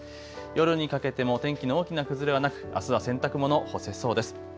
夜にかけても天気の大きな崩れはなく、あすは洗濯物、干せそうです。